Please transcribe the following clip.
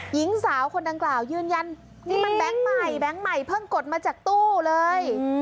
หญิงสาวคนดังกล่าวยืนยันนี่มันแบงค์ใหม่แบงค์ใหม่เพิ่งกดมาจากตู้เลย